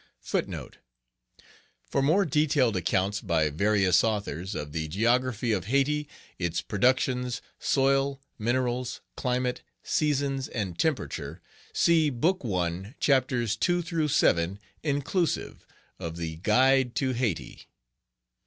For more detailed accounts, by various authors, of the geography of Hayti, its productions, soil, minerals, climate, seasons, and temperature, see Book I., chaps. 2 7, inclusive, of the Guide to Hayti.